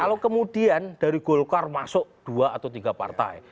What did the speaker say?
kalau kemudian dari golkar masuk dua atau tiga partai